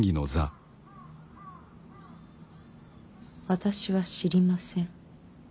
私は知りません。